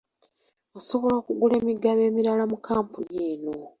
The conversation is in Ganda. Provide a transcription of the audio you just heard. Osobola okugula emigabo emirala mu kkampuni eno.